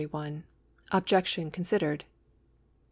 Objection Considered.